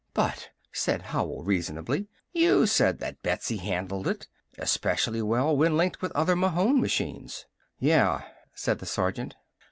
"But," said Howell reasonably, "you said that Betsy handled it. Especially well when linked with other Mahon machines." "Yeah," said the sergeant.